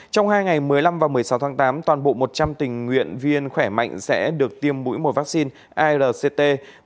trong hai ngày một mươi năm và một mươi sáu tháng tám toàn bộ một trăm linh tình nguyện viên khỏe mạnh sẽ được tiêm mũi một vaccine lct một trăm năm mươi bốn